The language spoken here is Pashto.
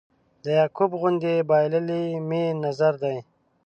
د یعقوب غوندې بایللی مې نظر دی